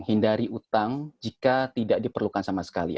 hindari utang jika tidak diperlukan sama sekali